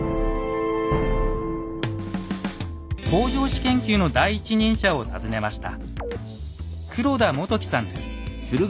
北条氏研究の第一人者を訪ねました。